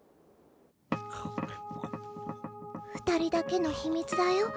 ２人だけの秘密だよ。